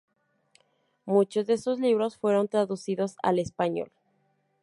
Muchos de sus libros fueron traducidos al español.